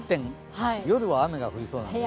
夜は雨が降りそうですね。